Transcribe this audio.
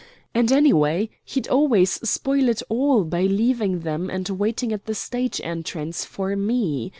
And, anyway, he'd always spoil it all by leaving them and waiting at the stage entrance for me.